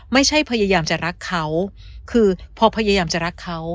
พยายามจะรักเขาคือพอพยายามจะรักเขา